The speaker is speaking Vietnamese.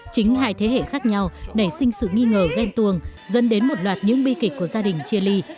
chính hai thế hệ khác nhau nảy sinh sự nghi ngờ ghen tuồng dẫn đến một loạt những bi kịch của gia đình chia ly